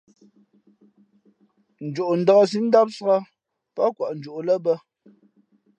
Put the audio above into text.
Njoʼndāk síʼ ndámsāk pάʼ kwαʼ njoʼ lά bᾱ.